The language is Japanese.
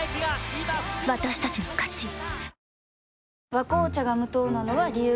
「和紅茶」が無糖なのは、理由があるんよ。